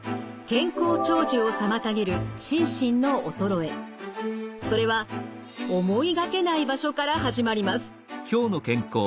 健康長寿を妨げるそれは思いがけない場所から始まります。